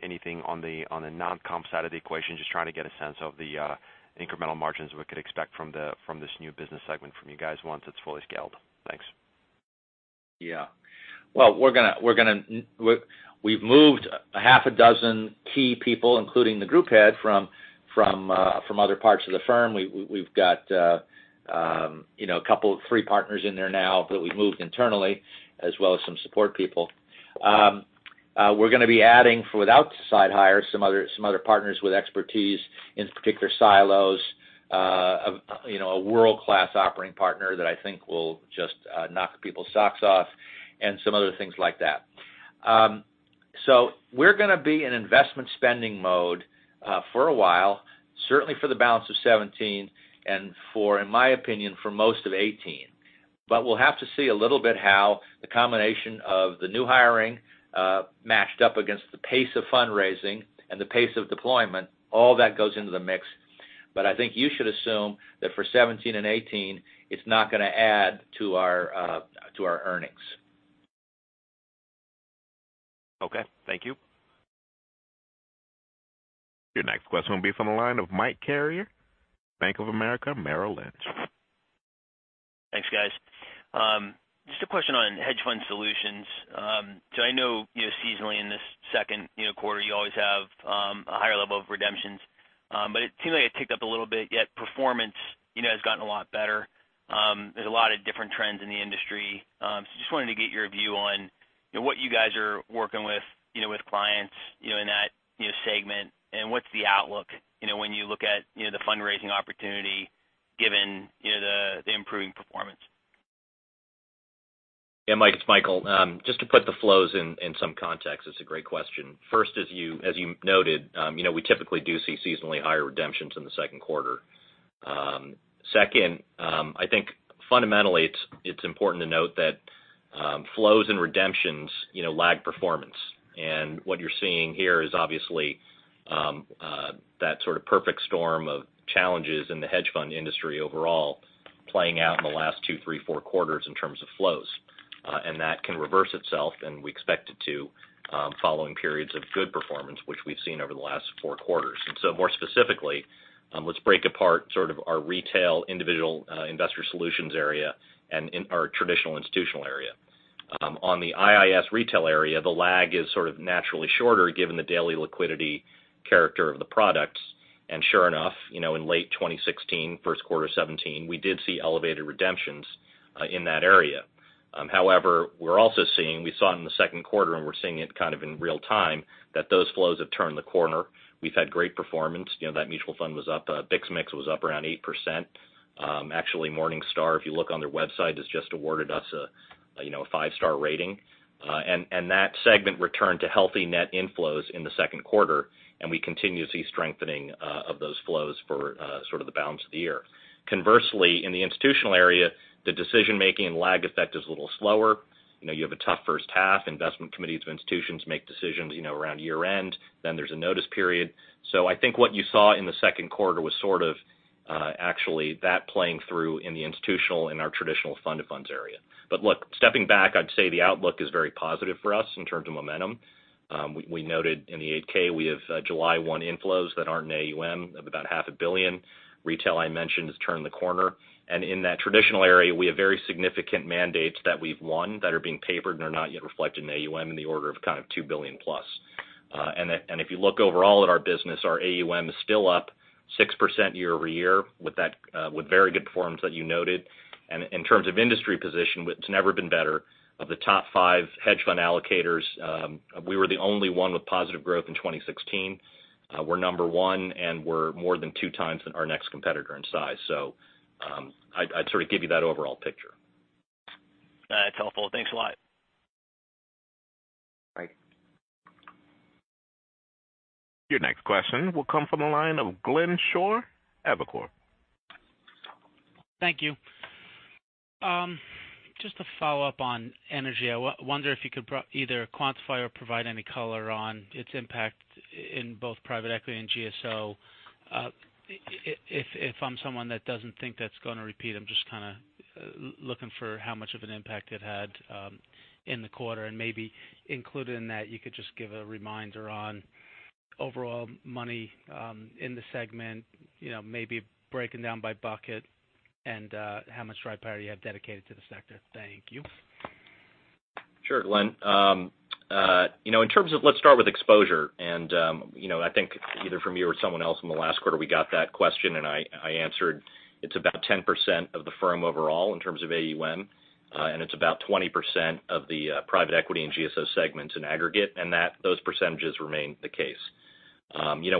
anything on the non-comp side of the equation? Just trying to get a sense of the incremental margins we could expect from this new business segment from you guys once it's fully scaled. Thanks. Yeah. Well, we've moved a half a dozen key people, including the group head from other parts of the firm. We've got three partners in there now that we've moved internally as well as some support people. We're going to be adding, without side hires, some other partners with expertise in particular silos, a world-class operating partner that I think will just knock people's socks off, and some other things like that. We're going to be in investment spending mode for a while, certainly for the balance of 2017, and in my opinion, for most of 2018. We'll have to see a little bit how the combination of the new hiring matched up against the pace of fundraising and the pace of deployment. All that goes into the mix. I think you should assume that for 2017 and 2018, it's not going to add to our earnings. Okay. Thank you. Your next question will be from the line of Mike Carrier, Bank of America Merrill Lynch. Thanks, guys. Just a question on hedge fund solutions. I know seasonally in the second quarter, you always have a higher level of redemptions. It seems like it ticked up a little bit, yet performance has gotten a lot better. There's a lot of different trends in the industry. Just wanted to get your view on what you guys are working with clients in that segment, and what's the outlook when you look at the fundraising opportunity given the improving performance? Yeah, Mike, it's Michael. Just to put the flows in some context. It's a great question. First, as you noted, we typically do see seasonally higher redemptions in the second quarter. Second, I think fundamentally, it's important to note that flows and redemptions lag performance. What you're seeing here is obviously that sort of perfect storm of challenges in the hedge fund industry overall playing out in the last two, three, four quarters in terms of flows. That can reverse itself, and we expect it to, following periods of good performance, which we've seen over the last four quarters. More specifically, let's break apart sort of our retail individual investor solutions area and our traditional institutional area. On the IIS retail area, the lag is sort of naturally shorter given the daily liquidity character of the products. Sure enough, in late 2016, first quarter 2017, we did see elevated redemptions in that area. However, we're also seeing, we saw it in the second quarter, and we're seeing it kind of in real time, that those flows have turned the corner. We've had great performance. That mutual fund was up, BAAM was up around 8%. Actually, Morningstar, if you look on their website, has just awarded us a five-star rating. That segment returned to healthy net inflows in the second quarter, and we continue to see strengthening of those flows for sort of the balance of the year. Conversely, in the institutional area, the decision-making and lag effect is a little slower. You have a tough first half. Investment committees of institutions make decisions around year-end, then there's a notice period. I think what you saw in the second quarter was sort of actually that playing through in the institutional, in our traditional fund of funds area. Look, stepping back, I'd say the outlook is very positive for us in terms of momentum. We noted in the 8-K we have July 1 inflows that aren't in AUM of about half a billion. Retail, I mentioned, has turned the corner. In that traditional area, we have very significant mandates that we've won that are being papered and are not yet reflected in AUM in the order of kind of $2 billion plus. If you look overall at our business, our AUM is still up 6% year-over-year with very good performance that you noted. In terms of industry position, it's never been better. Of the top five hedge fund allocators, we were the only one with positive growth in 2016. We're number one, and we're more than two times than our next competitor in size. I'd sort of give you that overall picture. That's helpful. Thanks a lot. Right. Your next question will come from the line of Glenn Schorr, Evercore. Thank you. Just to follow up on energy, I wonder if you could either quantify or provide any color on its impact in both Private Equity and GSO. If I'm someone that doesn't think that's going to repeat, I'm just kind of looking for how much of an impact it had in the quarter, and maybe included in that you could just give a reminder on overall money in the segment, maybe breaking down by bucket and how much dry powder you have dedicated to the sector. Thank you. Sure, Glenn. Let's start with exposure. I think either from you or someone else in the last quarter, we got that question, and I answered it's about 10% of the firm overall in terms of AUM, and it's about 20% of the Private Equity and GSO segments in aggregate, and those percentages remain the case.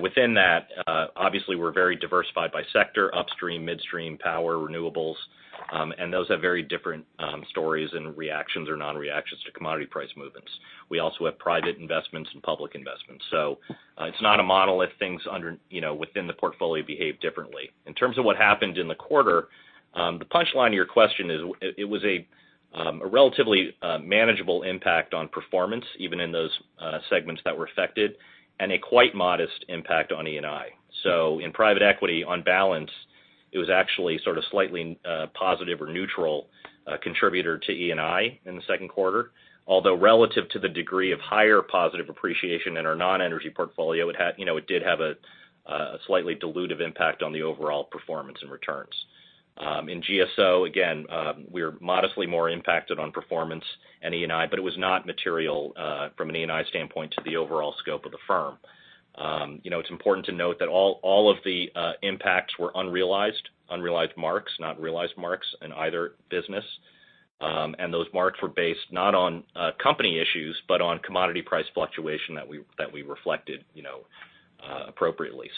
Within that, obviously we're very diversified by sector, upstream, midstream, power, renewables, and those have very different stories and reactions or non-reactions to commodity price movements. We also have private investments and public investments. It's not a model if things within the portfolio behave differently. In terms of what happened in the quarter, the punchline to your question is it was a relatively manageable impact on performance, even in those segments that were affected, and a quite modest impact on ENI. In Private Equity, on balance, it was actually sort of slightly positive or neutral contributor to ENI in the second quarter, although relative to the degree of higher positive appreciation in our non-energy portfolio, it did have a slightly dilutive impact on the overall performance and returns. In GSO, again, we are modestly more impacted on performance and ENI, but it was not material from an ENI standpoint to the overall scope of the firm. It's important to note that all of the impacts were unrealized marks, not realized marks in either business. Those marks were based not on company issues, but on commodity price fluctuation that we reflected appropriately.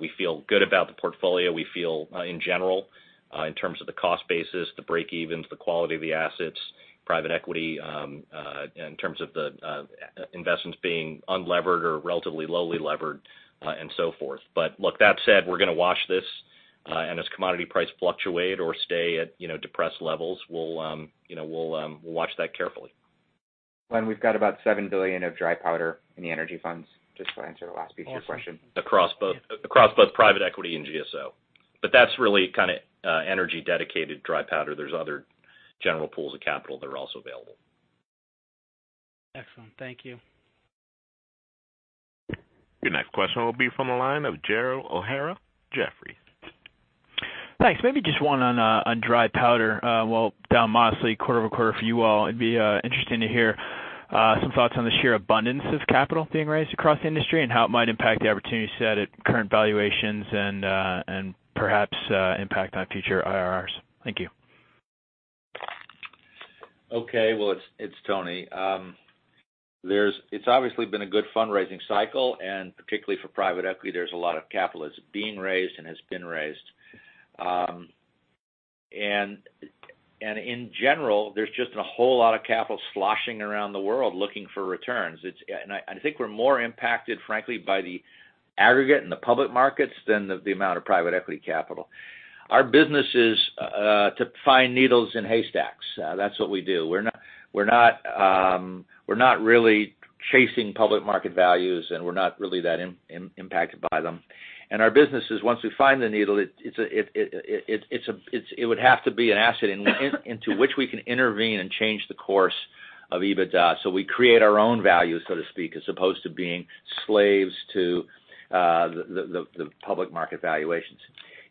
We feel good about the portfolio. We feel in general, in terms of the cost basis, the break evens, the quality of the assets, private equity in terms of the investments being unlevered or relatively lowly levered and so forth. Look, that said, we're going to watch this, and as commodity price fluctuate or stay at depressed levels, we'll watch that carefully. Glenn, we've got about $7 billion of dry powder in the energy funds, just to answer the last piece of your question. Awesome. Across both private equity and GSO. That's really kind of energy dedicated dry powder. There's other general pools of capital that are also available. Excellent. Thank you. Your next question will be from the line of Gerald O'Hara, Jefferies. Thanks. Maybe just one on dry powder. Well, down modestly quarter-over-quarter for you all. It'd be interesting to hear some thoughts on the sheer abundance of capital being raised across the industry and how it might impact the opportunity set at current valuations and perhaps impact on future IRRs. Thank you. Okay. Well, it's Tony. It's obviously been a good fundraising cycle, particularly for private equity, there's a lot of capital that's being raised and has been raised. In general, there's just a whole lot of capital sloshing around the world looking for returns. I think we're more impacted, frankly, by the aggregate in the public markets than the amount of private equity capital. Our business is to find needles in haystacks. That's what we do. We're not really chasing public market values, and we're not really that impacted by them. Our business is once we find the needle, it would have to be an asset into which we can intervene and change the course of EBITDA. We create our own value, so to speak, as opposed to being slaves to the public market valuations.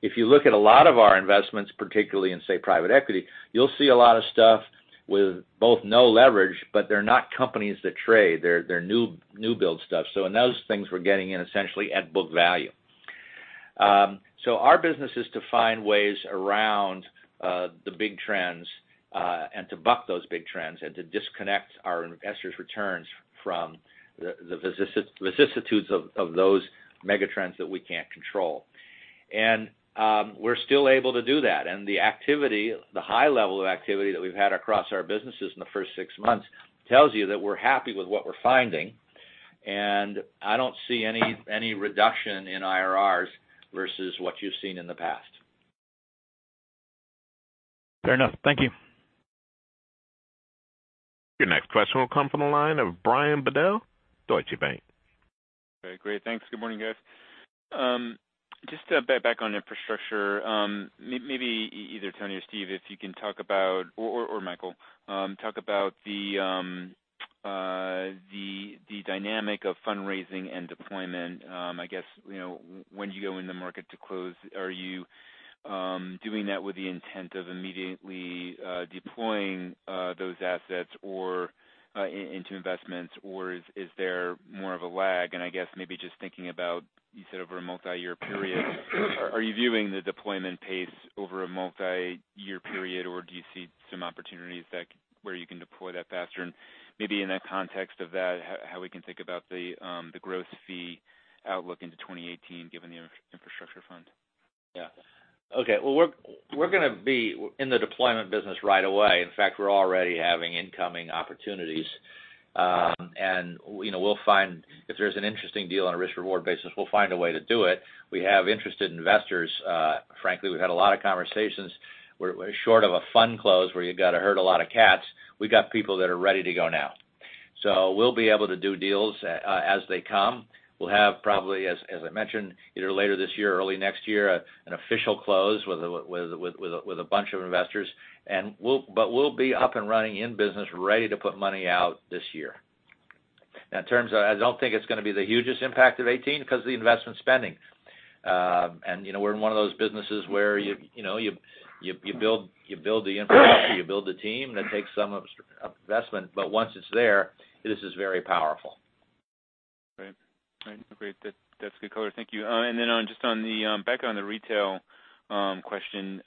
If you look at a lot of our investments, particularly in, say, private equity, you'll see a lot of stuff with both no leverage, but they're not companies that trade. They're new build stuff. In those things, we're getting in essentially at book value. Our business is to find ways around the big trends, to buck those big trends, and to disconnect our investors' returns from the vicissitudes of those mega trends that we can't control. We're still able to do that. The high level of activity that we've had across our businesses in the first six months tells you that we're happy with what we're finding. I don't see any reduction in IRRs versus what you've seen in the past. Fair enough. Thank you. Your next question will come from the line of Brian Bedell, Deutsche Bank. Okay, great. Thanks. Good morning, guys. Just to bet back on infrastructure, maybe either Tony or Steve, or Michael, if you can talk about the dynamic of fundraising and deployment. When do you go in the market to close? Are you doing that with the intent of immediately deploying those assets into investments, or is there more of a lag? I guess maybe just thinking about, you said over a multi-year period, are you viewing the deployment pace over a multi-year period, or do you see some opportunities where you can deploy that faster? And maybe in that context of that, how we can think about the growth fee outlook into 2018 given your infrastructure fund. Yeah. Okay. Well, we're going to be in the deployment business right away. In fact, we're already having incoming opportunities. If there's an interesting deal on a risk-reward basis, we'll find a way to do it. We have interested investors. Frankly, we've had a lot of conversations. We're short of a fund close where you've got to herd a lot of cats. We've got people that are ready to go now. We'll be able to do deals as they come. We'll have probably, as I mentioned, either later this year or early next year, an official close with a bunch of investors. We'll be up and running in business ready to put money out this year. I don't think it's going to be the hugest impact of 2018 because of the investment spending. We're in one of those businesses where you build the infrastructure, you build the team, and it takes some investment. Once it's there, this is very powerful. Right. Great. That's good color. Thank you. Back on the retail question.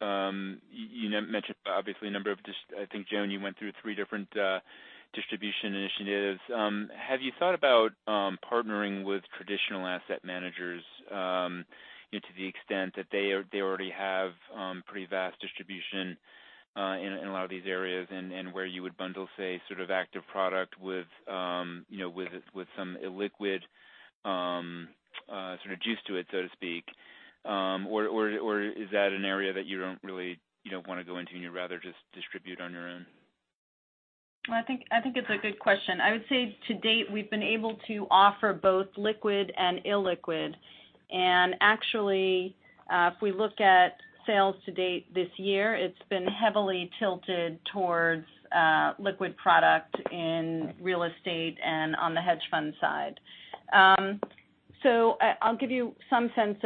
You mentioned, obviously, a number of I think, Joan, you went through three different distribution initiatives. Have you thought about partnering with traditional asset managers to the extent that they already have pretty vast distribution in a lot of these areas, and where you would bundle, say, sort of active product with some illiquid sort of juice to it, so to speak? Is that an area that you don't want to go into, and you'd rather just distribute on your own? Well, I think it's a good question. I would say to date, we've been able to offer both liquid and illiquid. Actually, if we look at sales to date this year, it's been heavily tilted towards liquid product in real estate and on the hedge fund side. I'll give you some sense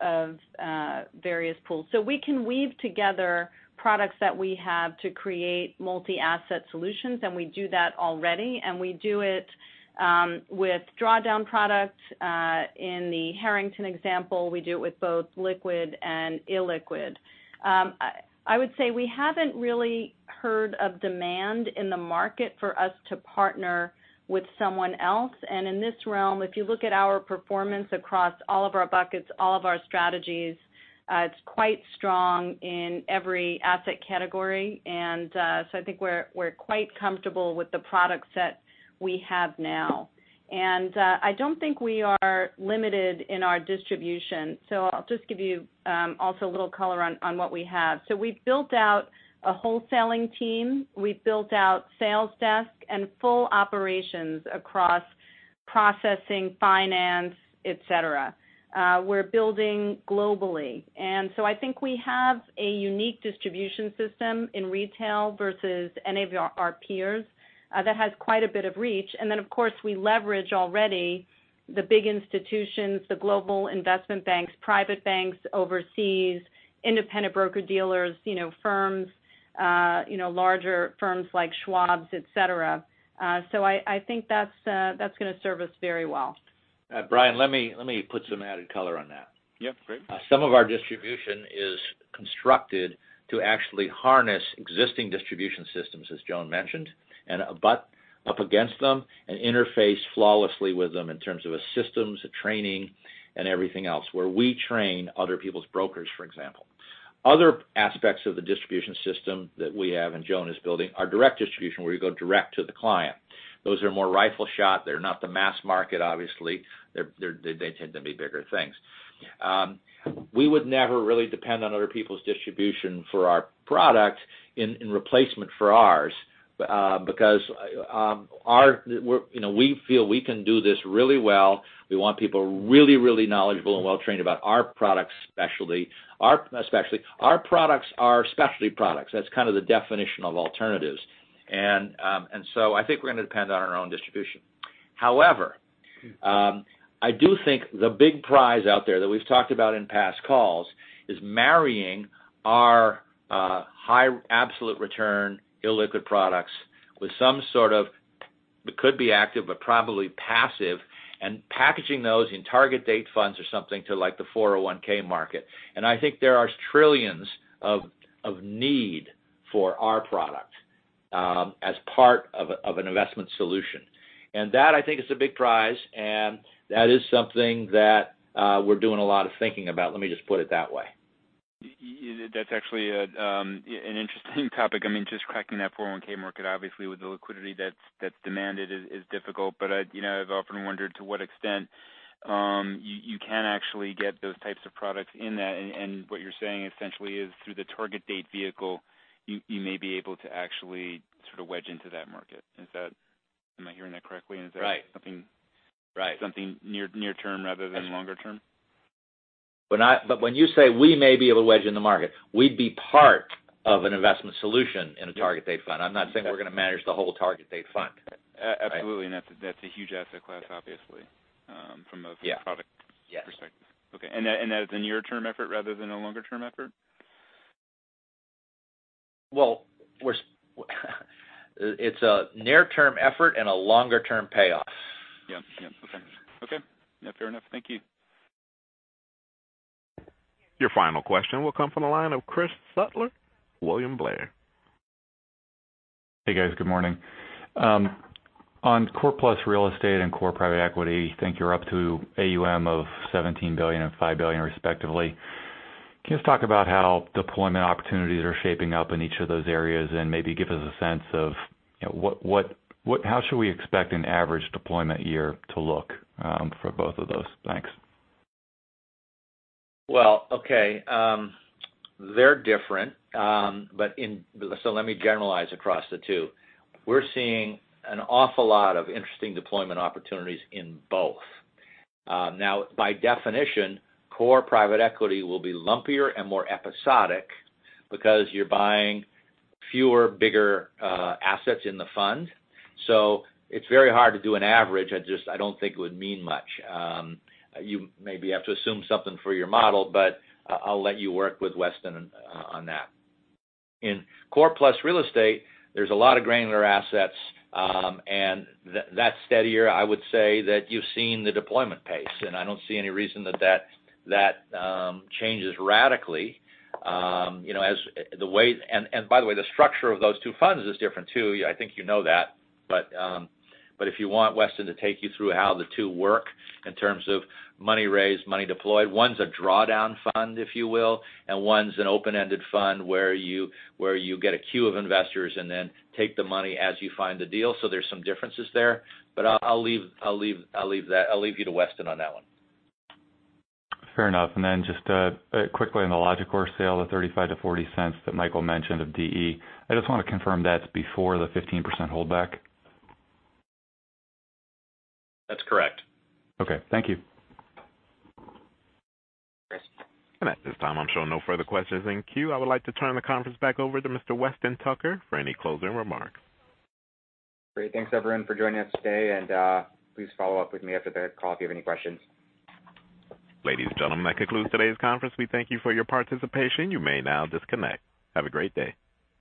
of various pools. We can weave together products that we have to create multi-asset solutions, and we do that already. We do it with drawdown product. In the Harrington example, we do it with both liquid and illiquid. I would say we haven't really heard of demand in the market for us to partner with someone else. In this realm, if you look at our performance across all of our buckets, all of our strategies, it's quite strong in every asset category. I think we're quite comfortable with the product set we have now. I don't think we are limited in our distribution. I'll just give you also a little color on what we have. We've built out a wholesaling team. We've built out sales desk and full operations across processing, finance, et cetera. We're building globally. I think we have a unique distribution system in retail versus any of our peers that has quite a bit of reach. Of course, we leverage already the big institutions, the global investment banks, private banks overseas, independent broker-dealers, firms, larger firms like Schwab, et cetera. I think that's going to serve us very well. Brian, let me put some added color on that. Yeah, great. Some of our distribution is constructed to actually harness existing distribution systems, as Joan mentioned, and abut up against them and interface flawlessly with them in terms of systems, training, and everything else, where we train other people's brokers, for example. Other aspects of the distribution system that we have and Joan is building are direct distribution, where we go direct to the client. Those are more rifle shot. They're not the mass market, obviously. They tend to be bigger things. We would never really depend on other people's distribution for our product in replacement for ours because we feel we can do this really well. We want people really, really knowledgeable and well-trained about our products especially. Our products are specialty products. That's kind of the definition of alternatives. I think we're going to depend on our own distribution. I do think the big prize out there that we've talked about in past calls is marrying our high absolute return illiquid products with some sort of It could be active, but probably passive, and packaging those in target date funds or something to the 401 market. I think there are trillions of need for our product as part of an investment solution. That, I think, is a big prize, and that is something that we're doing a lot of thinking about. Let me just put it that way. That's actually an interesting topic. Just cracking that 401 market, obviously, with the liquidity that's demanded is difficult. I've often wondered to what extent you can actually get those types of products in that. What you're saying, essentially, is through the target date vehicle, you may be able to actually sort of wedge into that market. Am I hearing that correctly? Right. Is that something near term rather than longer term? When you say we may be able to wedge in the market, we'd be part of an investment solution in a target date fund. I'm not saying we're going to manage the whole target date fund. Absolutely. That's a huge asset class, obviously, from a product perspective. Yeah. Okay, that is a near-term effort rather than a longer-term effort? Well, it's a near-term effort and a longer-term payoff. Yeah. Okay. Fair enough. Thank you. Your final question will come from the line of Chris Shutler, William Blair. Hey, guys. Good morning. On Core Plus Real Estate and Core Private Equity, think you're up to AUM of $17 billion and $5 billion, respectively. Can you just talk about how deployment opportunities are shaping up in each of those areas, and maybe give us a sense of how should we expect an average deployment year to look for both of those? Thanks. Okay. They're different. Let me generalize across the two. We're seeing an awful lot of interesting deployment opportunities in both. By definition, Core Private Equity will be lumpier and more episodic because you're buying fewer, bigger assets in the fund. It's very hard to do an average. I don't think it would mean much. You maybe have to assume something for your model, but I'll let you work with Weston on that. In Core Plus Real Estate, there's a lot of granular assets, and that's steadier. I would say that you've seen the deployment pace, and I don't see any reason that changes radically. By the way, the structure of those two funds is different, too. I think you know that. If you want Weston to take you through how the two work in terms of money raised, money deployed. One's a drawdown fund, if you will, and one's an open-ended fund where you get a queue of investors and then take the money as you find the deal. There's some differences there. I'll leave you to Weston on that one. Fair enough. Just quickly on the Logicor sale, the $0.35 to $0.40 that Michael mentioned of DE. I just want to confirm that's before the 15% holdback? That's correct. Okay. Thank you. At this time, I'm showing no further questions in queue. I would like to turn the conference back over to Mr. Weston Tucker for any closing remarks. Great. Thanks, everyone, for joining us today, and please follow up with me after the call if you have any questions. Ladies and gentlemen, that concludes today's conference. We thank you for your participation. You may now disconnect. Have a great day.